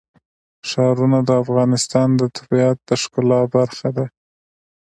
ښارونه د افغانستان د طبیعت د ښکلا برخه ده.